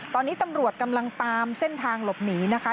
ตอนนี้ตำรวจกำลังตามเส้นทางหลบหนีนะคะ